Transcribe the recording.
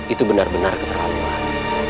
itu benar benar keterlaluan